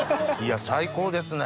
最高ですね。